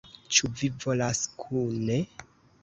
Ĉu vi volas kune?